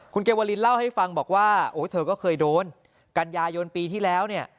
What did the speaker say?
คุณเกวาลินเล่าให้ฟังบอกว่าโอ้ยเธอก็เคยโดนกันยายนปีที่แล้วเนี่ย